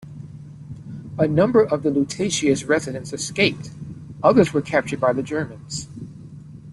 A number of the Lutetia's residents escaped; others were captured by the Germans.